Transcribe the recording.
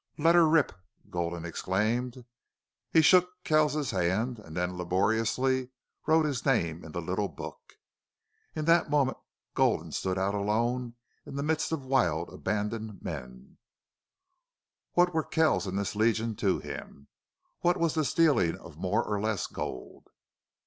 "LET HER RIP!" Gulden exclaimed. He shook Kells's hand and then laboriously wrote his name in the little book. In that moment Gulden stood out alone in the midst of wild abandoned men. What were Kells and this Legion to him? What was the stealing of more or less gold?